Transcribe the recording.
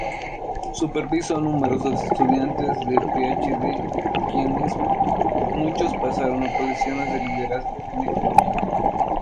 Supervisó numerosos estudiantes de Ph.D., quienes muchos pasaron a posiciones de liderazgo en ecología.